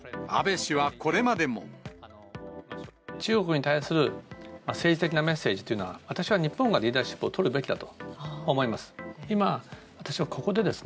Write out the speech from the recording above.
中国に対する政治的なメッセージというのは、私は日本がリーダーシップを取るべきだと思います。